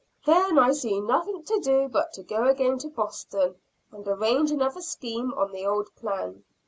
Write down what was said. "Then I see nothing to do, but to go again to Boston, and arrange another scheme on the old plan."